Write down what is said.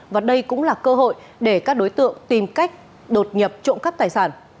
và đây cũng là cơ hội để các đối tượng tìm cách đột nhập trộm cắp tài sản